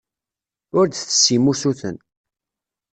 Ur d-tessim usuten.